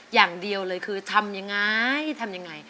อย่างเดียวเลยคือทำยังไง